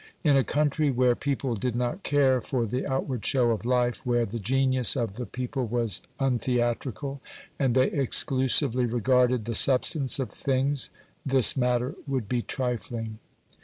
In a country where people did not care for the outward show of life, where the genius of the people was untheatrical, and they exclusively regarded the substance of things, this matter would be trifling.